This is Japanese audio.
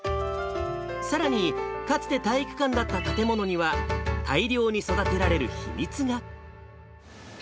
さらにかつて体育館だった建物には、大量に育てられる秘密が。